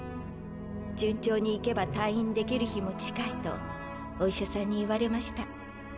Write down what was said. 順調にいけば退院できる日も近いとお医者さんに言われました。